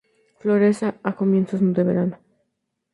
Florece a comienzos de verano.